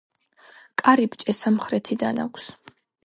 კარიბჭე სამხრეთიდან აქვს.